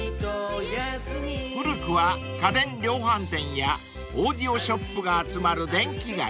［古くは家電量販店やオーディオショップが集まる電気街］